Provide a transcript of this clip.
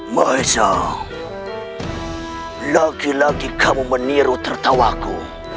maisa lagi lagi kamu meniru tertawaku